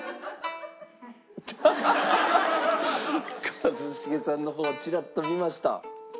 一茂さんの方チラッと見ました。